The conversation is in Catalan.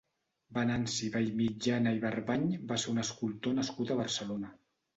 Venanci Vallmitjana i Barbany va ser un escultor nascut a Barcelona.